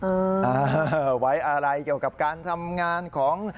เออไว้อะไรเกี่ยวกับการทำงานของ